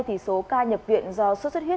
thì số ca nhập viện do xuất xuất huyết